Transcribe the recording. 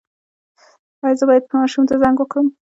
ایا زه باید ماشوم ته زنک ورکړم؟